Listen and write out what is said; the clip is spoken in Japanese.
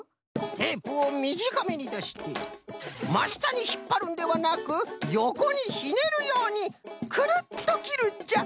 テープをみじかめにだしてましたにひっぱるんではなくよこにひねるようにくるっときるんじゃ。